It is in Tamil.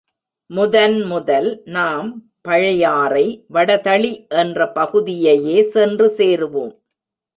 முதன் முதல் நாம் பழையாறை வடதளி என்ற பகுதியையே சென்று சேருவோம்.